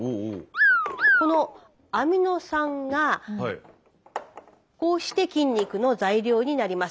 このアミノ酸がこうして筋肉の材料になります。